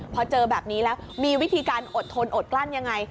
พอเจอแบบนี้แล้วมีวิธีการอดทนอดกลั้นยังไง